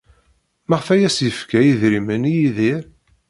Maɣef ay as-yefka idrimen i Yidir?